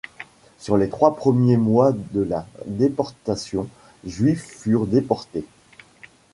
Sur les trois premiers mois de la déportation, Juifs furent déportés.